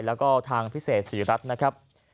แล้วก็ทางพิเศษศรีรัฐนะครับ